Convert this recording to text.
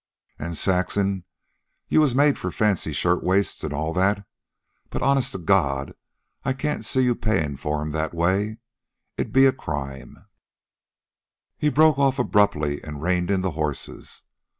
An', Saxon, you was made for fancy shirtwaists an' all that, but, honest to God, I can't see you payin' for them that way. It'd be a crime " He broke off abruptly and reined in the horses.